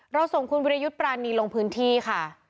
เราส่งคุณวิริยุตปรานีลงพื้นที่ค่ะ